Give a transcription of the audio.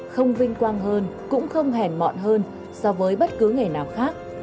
không vinh quang hơn cũng không hèn mọn hơn so với bất cứ nghề nào khác